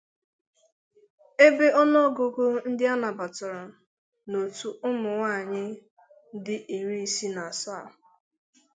ebe ọnụọgụgụ ndị a nabatara n'otu ụmụnwaanyị dị iri isii na asaa